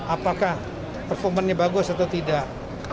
apakah performanya bagus atau tidak